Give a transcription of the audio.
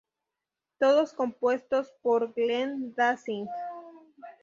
Todos compuestos por Glenn Danzig.